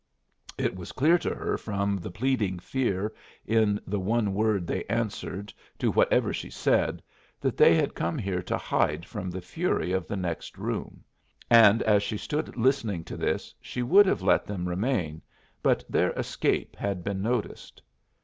It was clear to her from the pleading fear in the one word they answered to whatever she said, that they had come here to hide from the fury of the next room; and as she stood listening to this she would have let them remain, but their escape had been noticed.